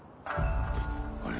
あれ？